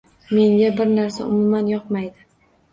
Menga bir narsa umuman yoqmaydi.